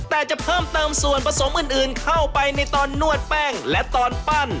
แต่จะเพิ่มเติมส่วนผสมอื่นเข้าไปในตอนนวดแป้งและตอนปั้น